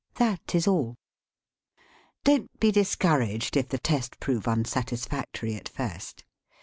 That is all. Don't be dis couraged if the test prove unsatisfactory at first.